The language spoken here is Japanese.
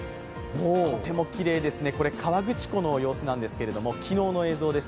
とてもきれいですね河口湖の様子なんですけど昨日の映像です。